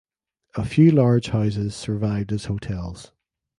A few large houses survived as hotels.